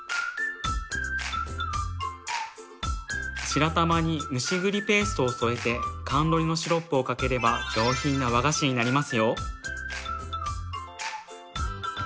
白玉に蒸し栗ペーストを添えて甘露煮のシロップをかければ上品な和菓子になりますよ。